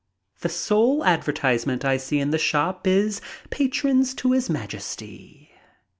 The sole advertisement I see in the shop is "Patrons to His Majesty."